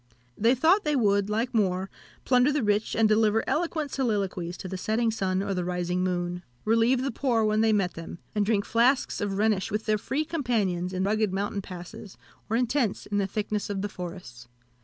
They thought they would, like Moor, plunder the rich, and deliver eloquent soliloquies to the setting sun or the rising moon; relieve the poor when they met them, and drink flasks of Rhenish with their free companions in rugged mountain passes, or in tents in the thicknesses of the forests.